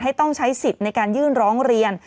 ต้องใช้สิทธิ์ในการยื่นร้องเรียน